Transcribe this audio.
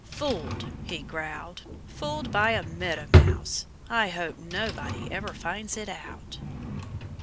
"Fooled!" he growled. "Fooled by a Meadow Mouse! I hope nobody ever finds it out."